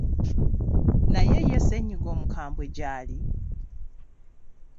Naye ye ssennyiga omukambwe gy’ali?